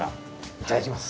いただきます